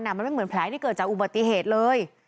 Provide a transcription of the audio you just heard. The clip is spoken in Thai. มันไม่เหมือนแผลที่เกิดจากอุบัติเหตุเลย